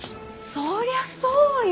そりゃそうよ。